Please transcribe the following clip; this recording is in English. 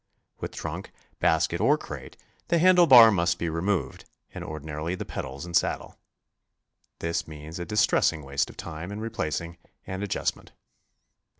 With trunk, basket or crate the handle bar must be removed, and ordinarily the pedals and saddle. This means a dis tressing waste of time in replacing and adjustment.